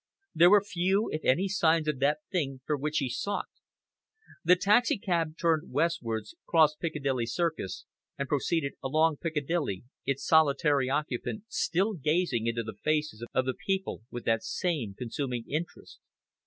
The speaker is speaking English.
There were few, if any signs of that thing for which he sought. The taxicab turned westwards, crossed Piccadilly Circus and proceeded along Piccadilly, its solitary occupant still gazing into the faces of the people with that same consuming interest.